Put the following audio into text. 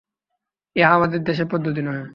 ইহা আমাদের দেশের পদ্ধতি নহে।